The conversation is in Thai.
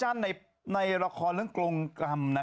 โหน่าตึงอยู่แล้วฮะ